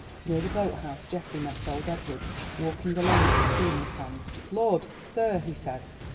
Near the boat house Geoffrey met old Edward walking along with a key in his hand. "Lord, sir!" he said.